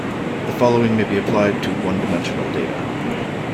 The following may be applied to one-dimensional data.